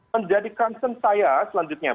menjadikan concern saya selanjutnya